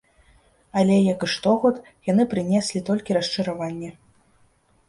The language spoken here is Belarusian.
Але, як і штогод, яны прынеслі толькі расчараванне.